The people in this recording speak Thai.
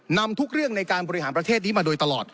นำทุกเรื่องในการบริหารประเทศนี้มาโดยตลอด